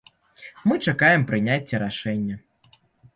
Мы чакаем прыняцця рашэння.